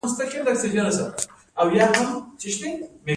ایا زه باید په واوره وګرځم؟